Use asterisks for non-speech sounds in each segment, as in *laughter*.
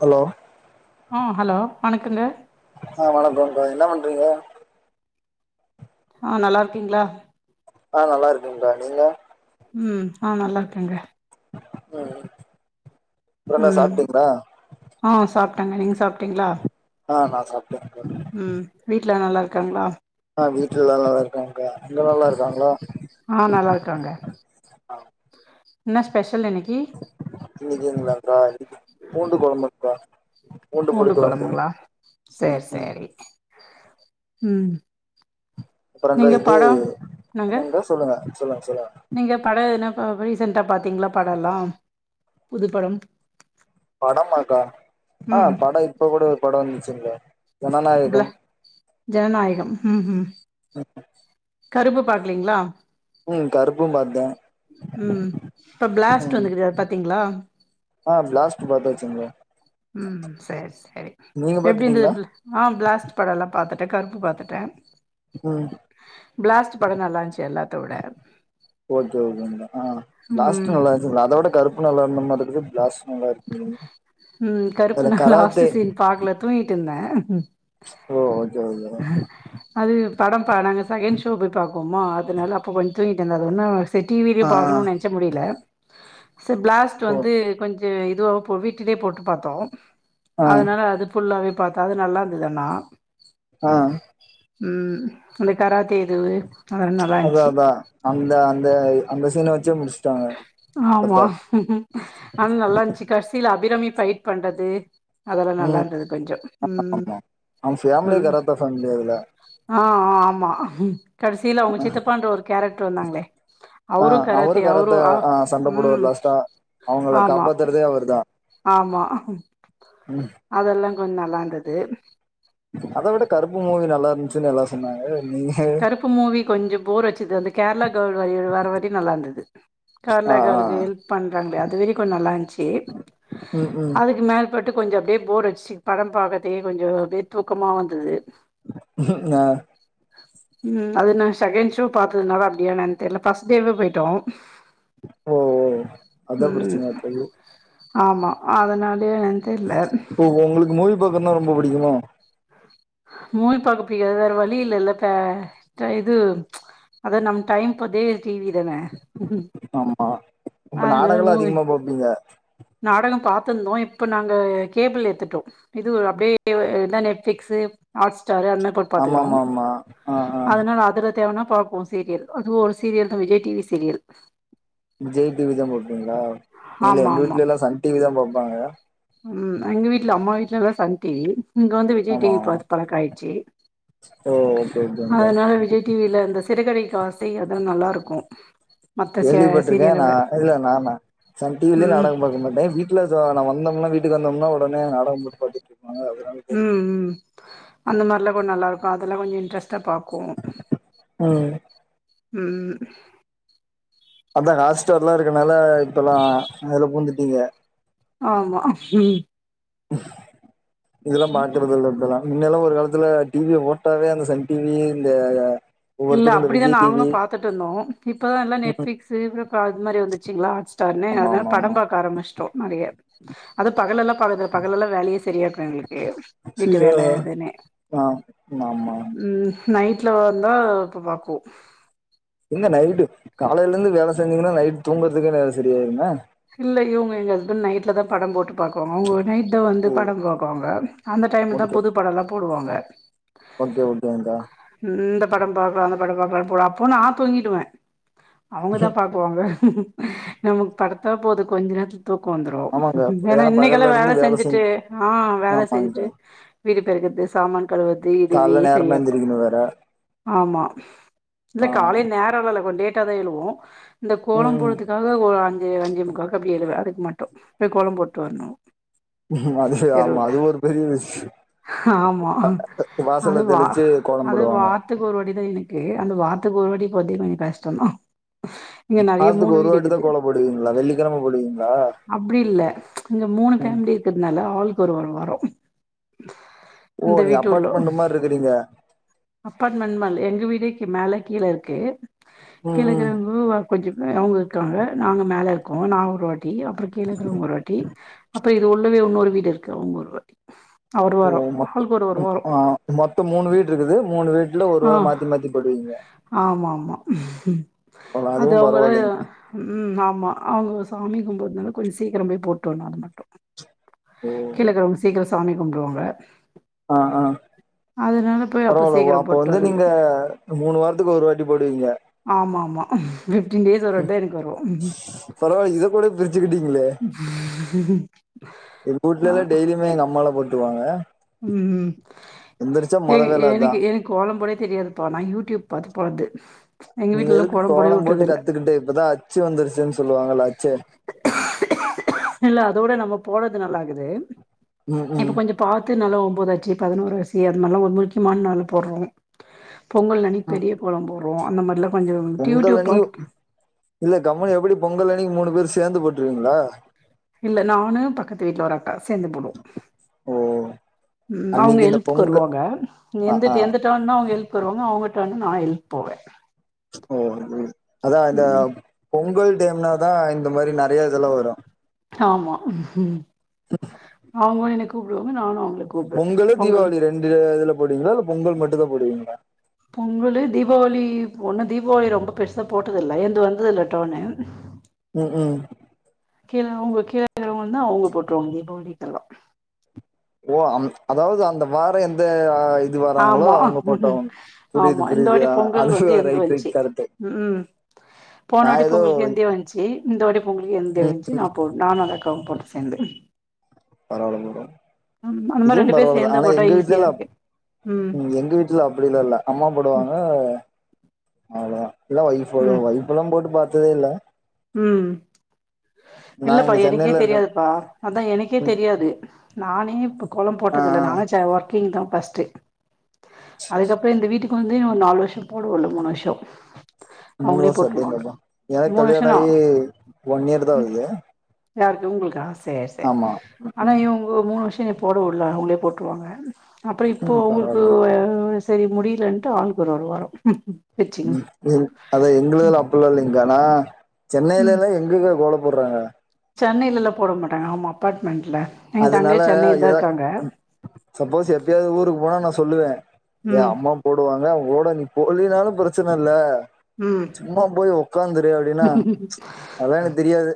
Hello ஆ hello வணக்கெங்க ஆ வணக்கோ வணக்கோ என்ன பண்றீங்கோ ஆ நல்லா இருக்கீங்ளா ஆ நல்லா இருக்கேங்க நீங்க உம் ஆ நல்லா இருக்கேங்க உம் அப்றென்ன சாப்ட்டீங்ளா டங்க நீங்க சாப்ட்டீங்ளா ஆ நா சாப்டே டுல நல்லா இருக்காங்ளா ஆ வீட்ல எல்லாரு நல்லா இருக்றாங்க க அங்க நல்லா இருக்காங்களா ஆ நல்லா இருக்காங்க என்ன ஸ்பெஷல் இன்னைக்கி இன்னிக்கிங்கலாக்கா பூண்டு கொழம்பக்கா பூண்டு கொழம்புங்ளா ம் செரி ம் செரி உம் அப்புறம்க்கா நீங்க இது படோ நாங்க என்னங்கா சொல்லுங்க சொல்லுங்க சொல்லுங்க நீங்க படோ என்ன பாவ் ரீசென்டா பாத்தீங்களா படோ எல்லாம் புது படம் படமாங்கா ஆ ம் படோ இப்பகூட படோ வந்துச்சுங்ளே ப்ள ஜனநாயகம் உம் உம் கருப்பு பாக்லீங்ளா உம் கருப்பும் பாத்தே உம் இப்ப பிளாஸ்ட் ம் வந்துறுகுது அத பாத்தீங்ளா ஆ பிளாஸ்ட் *unintelligible* உம் செரி செரி நீங்க எப்டி இருந்தது பாத்துட்டீங்களா பிளா ஆ பிளாஸ்ட் பட எல்லா பாத்த த கருப்பு பாத்துட்டே ம் பிளாஸ்ட் படோ நல்லா இருந்துச்சு எல்லாத்த விட ஓகே ஓகேங்கனா ஆ ம் பிளாஸ்ட்டு நல்லா இருந்துசுல அதவிட கருப்பு நல்லா இருந்த மாதிரி பிளாஸ் நல்லா இரு உம் கருப்பு நா லாஸ்ட் சீன் பாக்கல தூங்கிட்டு இருந்தே ஓ ஓகே ஓகே அஹ அது படம் பாருங்க செகண்ட் ஷோ போய் பாப்போமா அதனால அப்போ கொஞ்சோ தூங்கிட்டேன அது என்ன டி வி லேய ஆ ஆ பாக்கணும்னு நினைச்ச முடியல பிளாஸ்ட் ஓ வந்து கொஞ்சம் து இதுவா வீட்டிலே போட்டு பாத்தோ ஆ அதனால அது புல்லாவே பாத்தா அது நல்லா இருந்ததாண்ணா ஆ ம் அந்த கராத்தே எதுவு அதா அதா அந்த அந்த அந்த சீன் வச்சே முடிச் ஆமா ஆனா நல்லாருந்துச்சு கடைசியில அபிராமி ஃபைட் பண்றது அதெல்லா ம் நல்லாருந்தது கொஞ்ச ம் ஆமா அவ ஃபேமிலியே ம் கராத்தா ஃபேமிலி அதுல ஆ ஆப் ஆமா கடைசியில அவங்க சித்த பண்ற ஒரு கேரக்டர் வந்தாங்களே ஆ அவரு கராத்த அவரு ஒ கராத்தா ஆ சண்ட போடுவாரு ம் லாஸ்ட்டா அவங்கள ஆமா காப்பாத்துறதே அவர்தா ஆமா ம் அதெல்லா கொஞ்ச நல்லாருந்தது அத விட கருப்பு மூவி நல்லா இருந்துச்சுன்னு எல்லா சொன்னாங்க நீங்க கருப்பு மூவி கொஞ்ச போர் அச்சுது அந்த கேரளா கேள் வர வரி நல்லா இருந்தது ஆ கேரளா ஆ கேளுக்கு ஹெல்ப் பண்றாங்களா அதுவேறி கொஞ்ச நல்லாருந்துச்சு ம் ம் அதுக்கு மேற்பட்டு கொஞ்ச அப்படியே போர் வச்சு பட பார்கதே கொஞ்ச வெத் தூக்கமா வந்தது ஆ ம் அது நா செகண்ட் ஷோ பாத்ததுனால அப்படியானு என தெரியல ஃபர்ஸ்ட் டேவே போயிட்டோ ஓ அதா ம் பிரச்சனைையாப்பது ஆமா அதனால என தெரியல பக்க தான ரொம்ப புடிக்குமோ மூவிபாக்க பிடிக்காது வேற வழி இல்லல்ல தா ட்ர இது அத நம்ம டைம்ப்பதே டி வில தான ஆமா அப்ப நாடகலா அதிகமா பாப்பீங்க நாடக பாத்திருந்தோ இப்ப நாங்க கேபிள் எடுத்துட்டோ இது அப்டியே இதா நெட்ஃளிக்ஸ் து ஆட் ஸ்டார் அந்த மாரி போட்டு பாத்துக்கிறோ ஆமாமாமா ஆ ஆ அதனால அதல தேவனா பாப்போ சீரியல் அது ஒரு சீரியல் தா Vijay T V serial Vijay TV தா பாப்பீங்களா இல்ல ஆமா எங்க ஆமா வீட்லல்லா சன் டி விதா பாப்பாங்க ம் எங்க வீட்ல அம்மா வீ்ட்லல்லா சன் டி வி இங்க வந்து விஜய் டி ஆமா வி பாத்த பழக்க ஆயிடுச்சு ஓ ஓகே ஓகேங்க்கா அதனால விஜய் டி வில இந்த சிறுகடிக்க ஆச அதுலா நல்லாருக்கு கேள்விப்பட்டிருக்கே நா இல்ல நானா சன் டி விலயே ம் நாடக பாக்க மாட்டே வீட்ல நா வந்தன் முன்ன வீட்டுகு வந்தம்னா ஒடனே நாடக போட்டு பாத்துகிட்ருக்கு ம் ம் அந்த மாரில்லா கொஞ்ச நல்லருக்கு அதெல்லா கொஞ்ச இன்ட்ரெஸ்ட் தா பாக்குவோ ம் ம் அதா ஹாஸ்டர்ல்லா இருக்கனால இப்பல்லா அதுல பூந்துட்டீங்க ஆமா ம் இதெல்லா பாக்குறதில்ல முன்னால ஒரு காலத்துல டி விய போட்டாவே அந்த சன் டி வி இந்த இல்ல ஒவ்வொருத்தரு இந்த அப்படிதான விஜய் நாங்களு டிவி பாத்துட்ருந்தோ இப்பதா எல்லா நெட்ப்பளிக்ஸ்சு பா அது மாரி வந்துச்சுங்களா ஆட் ஸ்டார்னு ஆமா ஆமா பட ஆமா பாக்க ஆரம்பிச்சோ நெறைய அது பகல்லா பகலு பகலெல்லா வேலையே சரியா இருக்கு எனக்கு வீட்டு சியா வேல எதுனு ஆ ஆமா ம் நைட்ல வந்தா இப்ப பாக்கு எங்க நைட்டு காலையிலருந்து வேலை செஞ்சீங்கன்னா நைட் தூங்குறதுக்கே நேர சரியாயிருமே இல்ல இவங்க எங்க ஹஸ்பண்ட் நைட்ல தா படம் போட்டு பாக்கு நைட் த வந்து பட பாப்பாங்க அந்த டைம்ல தா ஓகே புது படல்லா போடுவாங்க ஓகே ஓகேங்க்கா இந்த படம் பாக்கலா அந்த படம் பாக்கலா போவங்க அப்போ நா தூங்கிடுவே அவங்கதா பாக்குவாங்க நமக்கு படுத்தாபோது கொஞ்ச நேரத்துக் தூக்க வந்துரு ஆமாங்க ஏனா ஏன்னா இன்னைக்கெல்லா பகல்ல வேல இருந்து செஞ் செஞ்சுட்டு ஆ வேல ஆமாங்கா செஞ்சுட்டு வீடு பெருக்கற்து சாமான் கழுவற்து இதுவே கால்ல நேரமா செரியாருக்கு எந்திரிக்கணு வேற ஆமா இல்ல ஆ காலைல் நேரோல்லா இல்ல கொண்டே ட்டாதா எழுவோ இந்த கோலம் ம் போட்றதுக்காக ஒரு அஞ்சு அஞ்சே முக்காக்கு அப்டியே எழு ந்து அதுக்கு மட்டு போய் கோலம் போட்டு வர்ணு அது சேரி ஆமா அது ஒரு பெரிய விஷ் ஆமா அது வா தெளிச்சு கோலம் அது போடுவாங்க வார்த்துக்கு ஒரு வாட்டிதா எனக் கே அந்த வார்த்துக்கு ஒருவாட்டி போட்றதே கொஞ்ச கஷ்டந்தா இங்க நெறைய மூணு வாரத்துக்கு ஒரு வீடு வாட்டி தா இருக்குது கோலம் போடுவீங்களா வெள்ளிக்கெழம போடுவீங்களா அப்டி இல்ல இங்க மூணு ம் ஃபேம்லி இருக்குறதுனால ஆளுக்கு ஒரு ஒரு வார ஓ இந்த நீங்க வீட்டு உள்ளோ அப்பார்ட்மெண்ட் மாரி இருக்குறீங்க அப்பார்ட்மென்ட்லா இல்ல எங்க வீடே க்கி மேல கீழ இருக்கு ம் கீழ ம் இருக்கிறவ்ங்க *unintelligible* கொஞ்ச மே அவ்ங்க இருக்காங்க நாங்க மேல இருக்கோ நா ஒரு வாட்டி அப்றோ கீழ இருக்கறவ்ங்க ஒரு வாட்டி அப் ப்பே இது உள்ளவே இன்னொரு வீடு இருக்கு அவ்ங்க ஒரு வாட்டி ஒரு வாரோ ஓமா ஆளுக்கு ஒரு ஒரு ம் வாரோ ஆ மொத்த மூணு வீடு இருக்குது மூணு வீட்ல ஒரு வார மாத்தி மாத்தி போட்டுக்வீங்க ஆமாம்மா பரவால்ல அது அதுவு அவ்ங்களா பரவாயில்லைங்க ம் ஆமா அவ்ங்க சாமி கும்புட்றதுனால கொஞ்ச சீக்கிர போய் போட்டு வர்ணு அது மட்டு ஓ கீழ இருக்குறவ்ங்க சீக்கிர சாமி கும்புட்ருவாங்க ஆ ஆ போய் பரவால்ல வ சீக்கிர அப்ப போட்டு வந்து வர்றது நீங்க மூணு வாரத்துக்கு ஒரு வாட்டி போடுவீங்க ஆமாம்மா ஃபிஃப்டீன் டேஸ் ஒரு வாட்ட எனக் பரவால்ல இதக்கூட பிரிச்சுக்கிட்டீங் இங்க எங்க ஆ வீட்லலா டெய்லியுமே எங்க அம்மாலா போட்ருவாங்க ம் ம் எந்திரிச்சா ஏ மொத வேல அதா எனக்கு எனக்கு கோலம்போடவே தெரியாது பா நா யூட்யூப் பாத்து போறது நீங்க எதுக்கு கோலம் போட்டு கத்துக்கிட்டு இப்பதா அச்சு வந்துருச்சுன்னு சொல்லுவாங்கள அச்சு இல்ல அதோட நம்ம போட்றது நல்லாக்குது ம் ம் முன்னலா ஒன்போதாச்சு பதுனோராச்சு அதுமார்லா ஒரு முக்கியமான நாளு போட்றோ பொங்கல் அன்னைக்கு ம். பெரிய கோலம் போடுவோ அந்த மார்லா பொங்கல் அன்னைக்கு இல்ல கம்முனு எப்டி பொங்கல் அன்னைக்கு மூணு பேரு சேந்து போட் ருவீங்ளா இல்ல நானு பக்கத்து வீட்ல ஒரு அக்கா சேந்து போடுவோ ஓ ம் அவுங்க அன்னைக்கு இந்த ஹெல்ப்க்கு பொங்கு வருவாங்க ஆ ஆ எந்தட் எந்த டேன்னா அவுங்க ஹெல்ப்க்கு வருவாங்க அவுங்க டேன்னா நா ஹெல்ப் போவே ஓ அதுனாலே அதா இந்த ம் பொங்கல் டேம்னா தா இந்த மாரி நெறையா செலவு வரு ஆமா ம் அவுங்க வந்து என்ன கூப்டுவாங்க நானு அவுங்க பொங்கலு தீபாவளி ரெண்டு அ இதுல போடுவீங்களா இல்ல பொங்கல் மட்டுந்தா போடுவீங்களா பொங்கலு தீபாவளி போன தீபாவளி ரொம்ப பெருசா போட்டதில்ல என்ந்து வந்ததுல்ல டேன்னு ம் ம் கீழ அவ்ங்க கீழ இருக்றவ்ங்க வந்து அவுங்க போட்ருவாங்க தீபாவளிக்கெல்லா ஓ அம் அதாவ்து அந்த வார எந்த ஆ இது வாராங்களோ ஆமா அவுங்க போட்டவ்ங்க புரியுது ஆமா இந்த புரியுது வாட்டி அ பொங்கல் அது வந்து சேர் என்து ரைட் ரைட் வந்ச்சு கருத்து ம் போனவாட்டி பொங்கலுக்கு என்ந்தே வந்ச்சு இந்தவாட்டி பொங்கலுக்கு என்ந்தே ம் வந்ச்சு நா போட் நானு அந்த அக் காவு போட்டோ சேந்து பரவாலைங்களே ம் அந்த மாரி இதுவு ரெண்டு பேர் பரவால்லதா சேந்தா ஆனா போட்டா எங்க ஈஸியா வீட்லலா இருக்கு ம் எங்க வீட்ல அப்டிலா இல்ல அம்மா ம் போடுவாங்க அவ்ளதா இல்ல ஃவைபெல்லா ம் ஃவைபெல்லா போட்டு பாத்ததே இல்ல ம் நா இல்லப்பா இங்க எனக்கே சென்னைல இருக்கே தெரியாதுப்பா அதா எனக்கே ம் தெரியாது நானே இப்ப கோலம் ஆ போட்டதில்ல ஆ நானே செ ஒர்க்கிங் தா ஃபஸ்ட்டு அதுகப்ற இந்த வீட்டுக்கு வந்து ஒரு நாலு வருஷோ போடவுல்ல மூணு வருஷோ முனு அவங்களே வருஷோ போட்ருவாங்க அடேங்கப்பா எ மூணு கல்யாண வருஷனா ஆயி ஒன் இயர் தா ம் ஆவுது யாருக்கு உங்களுக்கா செர் செர் ஆனா ம் இவ உங்க மூணு வருஷ் எனைய போட வுடல அவுங்ளே போட்ருவாங்க அப்றோ இப்போ ம் அவுங்களுக்கு பரவாயில்ல வே ல செய்ய முடியிலன்ட்டு ஆளுக்கு ஒரு ஒரு வரோ ம் அதா எங்களுக்கெலா அப்பில்லா இல்லைங்கா நா சென்னைல எல்லா எங்க கா கோல போட்றாங்க சென்னைலெல்லா போட மாட்டாங்க ஆமா அப்பாட்மெண்ட் அதனால எதோ சப்போஸ் எப்பியாவது ஊருக்கு போனா நா சொல்லுவே எ ம் அம்மா போடுவாங்க அவங் கூட நீ போலினாலு பிரச்சன இல்ல சும்மா போய் ஒக்காந்துரு அப்டினா ம் அதா எனக் தெரியாது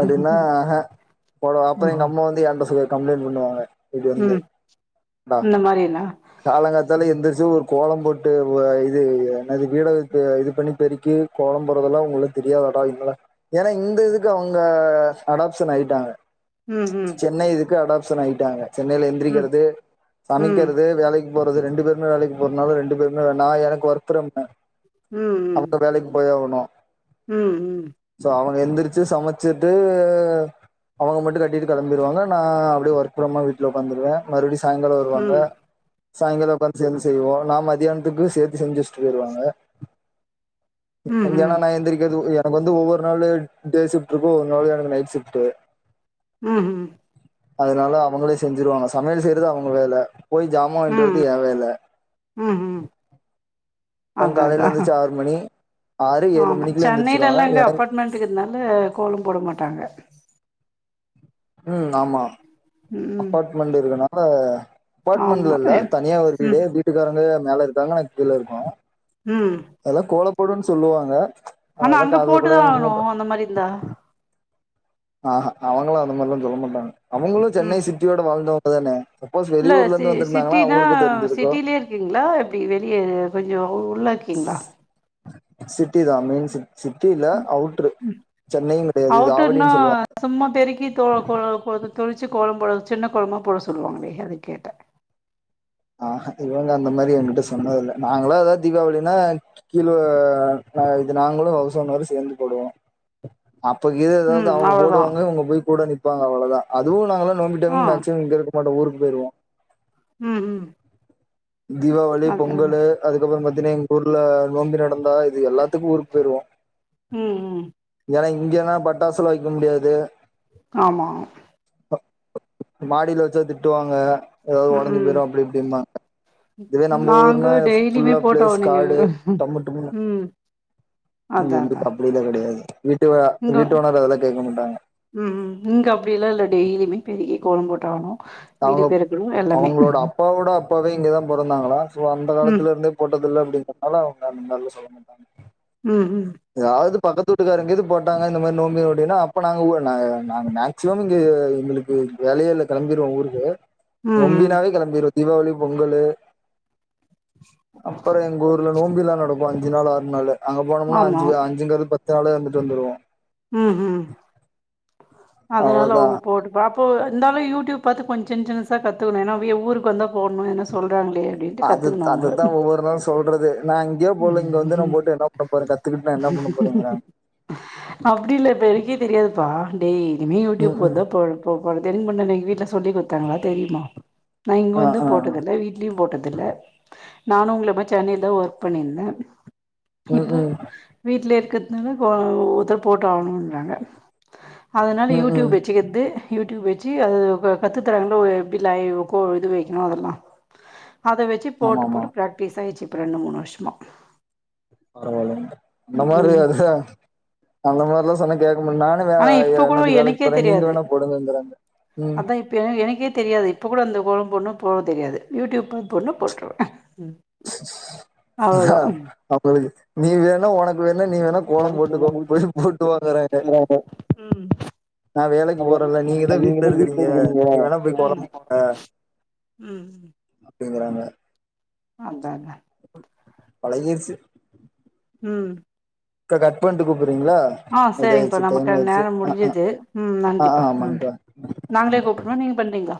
அப்டினா ஆஹா போட அப்ற எங்க அம்மா ம். வந்து என்ட சொல்லி கம்ப்ளைன் பண்ணுவாங்க இப்டி வந்து டா இந்த மாரினா காலங்காத்தால ம் எந்திரிச்சி ஒரு கோல போட்டு வ இது என்னது வீட த இது பண்ணி பெருக்கி கோலம் போறதெல்லா உங்களுக்கு தெரியாதா ஏனா இந்த இதுக்கு அவுங்க அடாப்ஷன் ஆய்ட்டாங்க ம் ம் சென்னை இதுக்கு அடாப்ஷன் ஆய்ட்டாங்க சென்னைல ம் எந்திரிக்கிறது ம் சமைக்கிறது வேலைக்கு போற து ரெண்டு பேருமே வேலைக்கு போறனாலு ரெண்டு பேருமே நா எனக்கு ஒருத்தர ம் ம் அவுங்க வேலைக்கு போயாகனு ம் ம் சோ அவுங் எந்திரச்சி சமச்சிட்டு அவுங்க மட்டு கட் டிட் கெளம்பிருவாங்க நா அப்டியே ஒர்க் ஃப்ரமா வீட்ல ஒக்காந்துருவே மறுபடி சாய்ங்காலா ம் வருவாங்க ம் சாய்ங்கால ஒக்காந்து சேந்து செய்வோ நா மத்யான்துக்கு சேத்து செஞ் வெச்ட்டு வருவாங்க ஏனா நா எந்திரிக்கிறது உ எனக்கு வந்து ஒவ்வொரு நாளு டே ஷிப்ட்ருக்கு ஒரு நாளு எனக்கு நைட் ஷிப்டு ம் ம் அதனால அவுங்ளே செஞ்சிருவாங்க சமையல் செய்றது அவுங்க வேல போய் ஜாமா வாய்ன்டு வரது ம் எ வேல ம் ம் அவுங் அதா காலையில அதா எந்திரிச்சி ஆறு மணி ஆறு ஏழு ஆமா மணிக்குள்ள சென்னையில எந்திரிச்சிருவாங்க எல்லா இங்க எனக்கு அப்பாட் மெண்ட்க்குதுனால கோலம் போட மாட்டாங்க ம் ஆமா ம் அப்பாட்மெண்டு இருக்குனால ஆமா அப்பாட்மெண்ட்ல இல்ல எ தனியா ஒரு வீடு ம் வீட்டுக்காரங்க மேல இருக்காங்க நா கீழ இருக்கோ ம் அதெல்லா கோல போடுன் சொல்லுவாங்க ஆனா அதெல்லாம் அங்க காதுல கூட போட்டுதா வாங்கிக்க ஆவனு மாட்டேன் அந்த மாரி இருந்தா ஆஹா அவுங்களு அந்த மாரிலா சொல்ல மாட்டாங்க அவுங்களு ம் சென்னை சிட்டியோட வாழ்ந்தவங்க தான இல்ல சி சிட்டினா தெரிஞ்சிருக்கும் சிட்டிலியே இருக்கீங்ளா எப்டி வெளிய கொஞ்சோ உள்ள இருக்கீங்ளா சிட்டி தா மெயின் சிட் சிட்டி இல்ல அவுட்ரு ம் சென்னையும் கெடையாது இது அவுட்டர்னா ஆவடின்னு சொல்லுவாங்க சும்மா பெருக்கி தோ கோ தொளிச்சு கோலம்பு சின்ன கோலமா போட சொல்லுவாங்ளே அது கேட்ட ஆஹா இவங்க அந்த மாரி என்கிட்ட சொன்னதில்ல நாங்ளா எதாவது தீபாவளினா கீழ அ இது நாங்ளு அவுஸோனரு சேந்து போடுவோ அப்பகீது ஏதாவது ம் அவுங்க அவ்ளோதா போடுவங்க இவுங்க போய் கூட நிப்பாங்க அவ்ளதா அதுவு நாங்கல்லா நோம்பி ஆ டைம் மேக்சிமம் இங்க இரு க்க மாட்டோ ஊருக்கு போய்ருவோ ம் ம் தீபாவளி அதா அதா பொங்கலு அதுக்கப்ற பத்தீனா எங்க ஊர்ல நோம்பி நடக் இந்தா இது எல்லாத்துக் ஊருக்கு போய்ருவோ ம் ம் ஏனா இங்கனா பட்டாசுலா வெய்க்க முடியாது ஆமா மாடில வச்சா திட்டுவாங்க ஏதாவது ம் ஒடஞ்சு ம் போயிடும் அப்டி இப்டின்பாங்க இதுவே நம்ம நாங்க ஊர்னா டெய்லியுமே ஃபுல்லா போட்டோ பிளேஸ் நீங்க காடு டம்மு டும்முன்னு ம் இங்க அதா அதா வந்துட்டு அப்டிலா கெடயாது இங்க உம் ம் இங்க அப்டிலாம் இல்ல டெய்லியுமே பெரிய கோலம் போட்டாவனு வீடு அவங்க பெருக்கணு எல்லாமே அவங்களோட அப்பாவோட அப்பாவே இங்கதான் பொறந்தாங்களாம் சோ அந்த ம் காலத்துல இருந்தே போட்டதுல *unintelligible* அவங்க அந்த மாரிலா சொல்ல மாட்டாங்க உம் உம் பக்கத்தூட்டுக்காரங்கேது போட்டாங்க இந்த மாரி நோம்பி நொடின்னா அப்ப நாங்க ஒ நாங்க ஆஹ் நாங்க மேக்சிமம் இங்க எங்களுக்கு வேலையேல்ல கெளம்பிருவோம் ஊருக்கு ம் ம் நொம்பினாவே கெளம்பிருவோம் தீபாவளி பொங்கலு அப்புறம் எங்க ஊர்ல நோம்பிலாம் நடக்கும் அஞ்சு நாளு ஆறு நாளு அங்க போனோமுனா ஆமா அஞ்சு அஞ்சுங்கறது பத்து நாளா இருந்துட்டு வந்துருவோம் ம் ம் அதனால அவ்ளோதா அவங்க போட்டுப்பா அப்போ இந்தால் அப்ரோ யூடியூப் பாத்து கொஞ்சொ சின் சின்னசா கத்துக்கணும் ஏன்னா வீயு ஊருக்கு வந்தா ப் அது அவங்க அதுதான் ஒவ்வொரு நாளும் சொல்றது நான் எங்கயோ போல இங்க வந்து நம்மூட்ட என்னா பண்ணப் போற கத்துக்கிட்டு நா என்ன பண்ணப் போறேங்கறாங்க ஆஹ் அப்டில் இல்ல இப்ப எனக்கே தெரியாதுப்பா டெய்லியுமே ம் யூடியூப் ம் பாத்துதான் *unintelligible* ஒனக்கு தெரியுன்னு *unintelligible* ல்ல சொல்லி குடுத்தாங்களா தெரியுமா நான் இங்க ஆ வந்தும் ஆ போட்டதில்ல வீட்லயும் போட்டதில்ல நானும் உங்கள மாரி சென்னைல ஒர்க் பண்ணினுருந்தேன் ம் இப்போ ம் வீட்ல இருக் இருக்கறதுனால இப்ப ஒருத்தர் போட்டாவணுன்றாங்க அதனால ம் ம் யூடியூப் வச்சுக்கற்து யூடியூப் வச்சு அது வ கத்து தறாங்க எப்டி லைவ் கோ இது வைக்கணு அதெல்லா அத வெச்சு ஆமா போட்டு ஆமா போட்டு பிராக்டிஸ் ஆயிடுச்சு இப்ப ரெண்டு மூணு வருஷமா பரவாயில்லங்க அந்த மாரி ம் அடிச்சா அந்த மாதிரில்லாம் சொன்னா கேக்க மாட் ஆனா நா இப்ப கூட என்னது வேலைக்கு போறேன் நீங்க வேணா போடுங்கங்கறாங்க ம் அதான் இப்ப எனக்கே தெரியாது இப்ப கூட அந்த கோலம் ஒண்ணும் போட தெரியாது யூடியூப் பாத்து போட்னா போட்ருவேன் *unintelligible* அஹ் ம் அப்பவே நீ வேணா ஒனக்கு வேணுணா நீ வேணா கோலம் போட்டுக்கோ போய் போட்டு ம் வாங்கறேன் *unintelligible* வேலைக்கு போறேன்ல நீங்க தா நீங்கதான் வீட்ல இருக்கிறீங்க இருக்கறீங்க நீ வேணா போய் கோலம் போடு உம் ம் ங்கறாங்க அதானே பழகிருச்சு ம் கா கட்பண்ணிட்டு கூப் றீங்களா அஹ் ஆ சரிங்கப்பா இதாயிடுச்சு டைம் நமக்கான ஆயிடுச்சு நேரம் அஹ் அஹ் முடிஞ்சுது ம் ஆஹ் நன்றிப்பா ம் ஆமாங்க்கா நாங்களே ம் கூப்பட்டுமா நீங்க பண்றீங்ளா